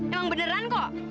emang beneran kok